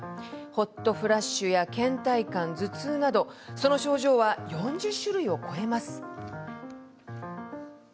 ホットフラッシュやけん怠感頭痛などその症状は４０種類を超えます。